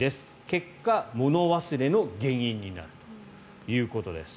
結果、物忘れの原因になるということです。